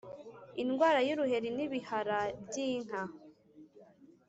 indwara y uruheri n ibihara by inka